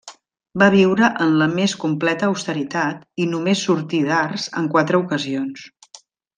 Va viure en la més completa austeritat i només sortí d'Ars en quatre ocasions.